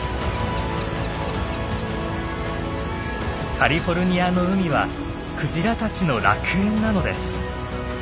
カリフォルニアの海はクジラたちの楽園なのです。